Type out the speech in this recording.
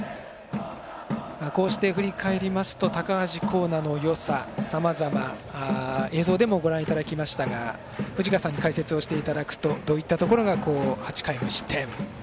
こうして振り返りますと高橋光成のよささまざま映像でもご覧いただきましたが藤川さんに解説いただくとどういったところが８回、無失点に？